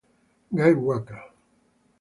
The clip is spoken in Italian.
Guy Rucker